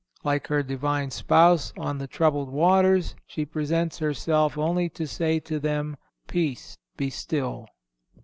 Like her Divine Spouse on the troubled waters, she presents herself only to say to them: "Peace be still."